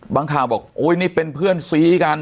ข่าวบอกโอ้ยนี่เป็นเพื่อนซีกัน